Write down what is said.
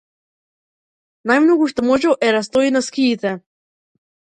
Најмногу што можел е да стои на скиите.